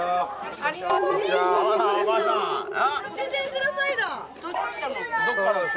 ありがとうございます。